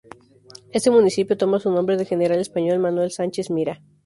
Este municipio toma su nombre del general español Manuel Sánchez-Mira.